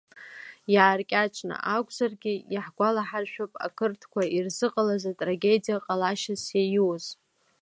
Иааркьаҿны акәзаргьы, иаҳгәалаҳаршәап ақырҭқәа ирзыҟалаз атрагедиа ҟалашьас иаиуз.